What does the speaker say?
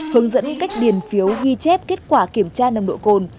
hướng dẫn cách điền phiếu ghi chép kết quả kiểm tra nồng độ cồn